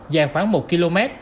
dài khoảng một km